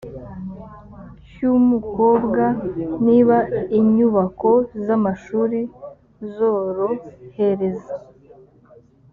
cy’umukobwa, niba inyubako z’amashuri zorohereza